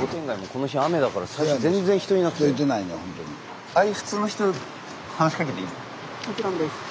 もちろんです。